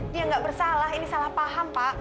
dia nggak bersalah ini salah paham pak